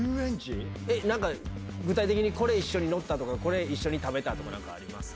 具体的に一緒に乗ったとか一緒に食べたとかあります？